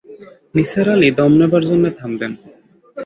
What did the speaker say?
নিসার আলি দম নেবার জন্যে থামলেন।